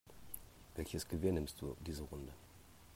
Welches Gewehr nimmst du diese Runde?